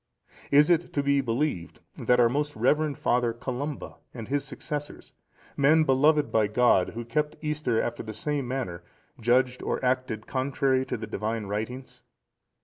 Is it to be believed that our most reverend Father Columba and his successors, men beloved by God, who kept Easter after the same manner, judged or acted contrary to the Divine writings?